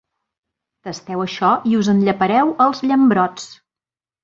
Tasteu això i us en llepareu els llambrots.